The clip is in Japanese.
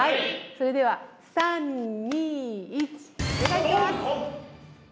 それでは３２１お願いします！